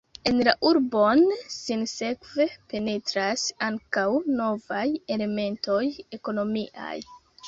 En la urbon sinsekve penetras ankaŭ novaj elementoj ekonomiaj.